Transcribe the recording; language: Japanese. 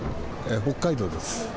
北海道です。